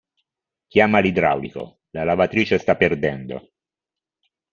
Chiama l'idraulico, la lavatrice sta perdendo.